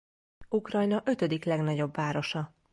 Ukrajna ötödik legnagyobb városa.